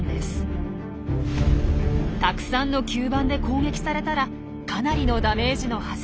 たくさんの吸盤で攻撃されたらかなりのダメージのはず。